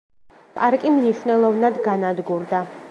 პარკი მნიშვნელოვნად განადგურდა.